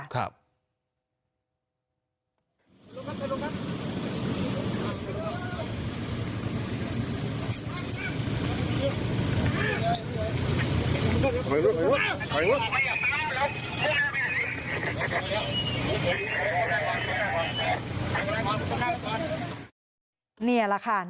ครับ